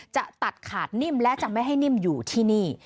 จะตัดขาดนิ่มและจะไม่ให้นิ่มอยู่ที่นี่